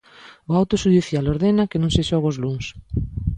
O auto xudicial ordena que non se xogue os luns.